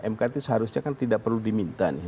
mk itu seharusnya kan tidak perlu diminta nih